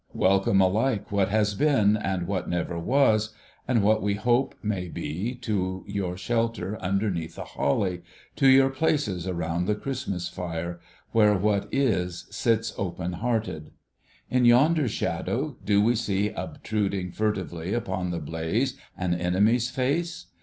Welcome, alike what has been, and what never was, and what we hope may be, to your shelter underneath the holly, to your places round the Christmas fire, where what is sits open hearted ! In yonder shadow, do we see obtruding furtively upon the blaze, an enemy's face